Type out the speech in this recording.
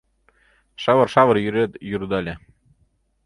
Шывыр-шавыр йӱрет йӱрдале.